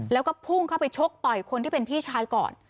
แล้วก็พุ่งเข้าไปชกต่อยคนที่เป็นพี่ชายก่อน